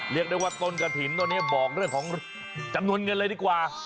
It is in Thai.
เรียกได้ว่าต้นกระถิ่นตอนนี้บอกเรื่องของจำนวนเงินเลยดีกว่า